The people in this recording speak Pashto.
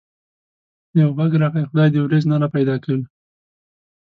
يو غږ راغی: خدای دي وريځ نه را پيدا کوي.